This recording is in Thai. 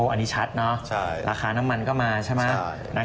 อันนี้ชัดเนอะราคาน้ำมันก็มาใช่ไหม